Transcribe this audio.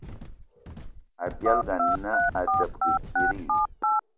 Abialga ana a debege kidi?